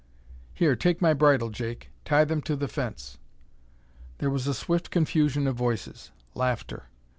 "Here, take my bridle, Jake. Tie them to the fence." There was a swift confusion of voices; laughter.